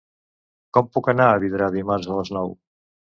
Com puc anar a Vidrà dimarts a les nou?